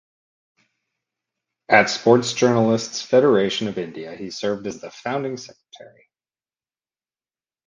At Sports Journalists’ Federation of India he served as the founding secretary.